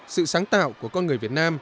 sự sáng tạo của con người việt nam